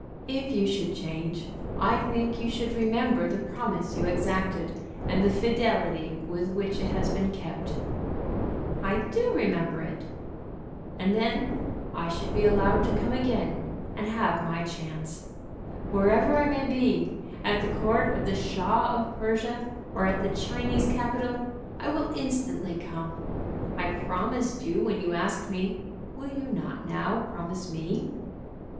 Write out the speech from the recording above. "If you should change, I think you should remember the promise you exacted and the fidelity with which it has been kept." "I do remember it." "And then I should be allowed to come again and have my chance. Wherever I may be, at the court of the Shah of Persia or at the Chinese capital, I will instantly come. I promised you when you asked me. Will you not now promise me?"